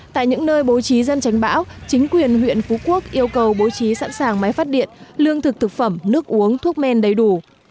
tại những nơi bố trí dân tránh bão chính quyền huyện phú quốc yêu cầu bố trí sẵn sàng máy phát điện lương thực thực phẩm nước uống thuốc men đầy đủ